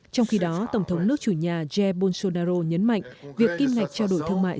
trong khi đó tổng thống nước chủ nhà jeb bolsonaro nhấn mạnh việc kinh ngạch trao đổi thương mại